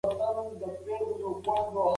ارواپوهنه د ذهن سکون دی.